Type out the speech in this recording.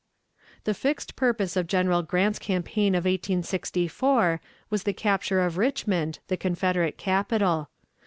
The fixed purpose of General Grant's campaign of 1864 was the capture of Richmond, the Confederate capital.